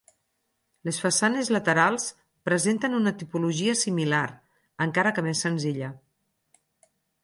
Les façanes laterals presenten una tipologia similar, encara que més senzilla.